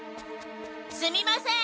すみません！